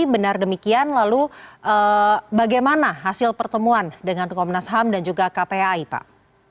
benar demikian lalu bagaimana hasil pertemuan dengan komnas ham dan juga kpai pak